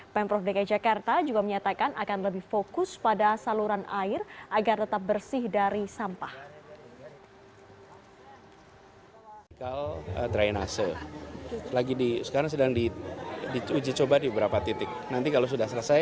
pemprov dki jakarta juga menyatakan akan lebih fokus pada saluran air agar tetap bersih dari sampah